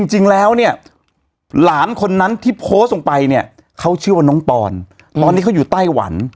จริงแล้วเนี่ยหลานคนนั้นที่โพสต์ลงไปเนี่ยเขาชื่อว่าน้องปอนตอนนี้เขาอยู่ไต้หวัน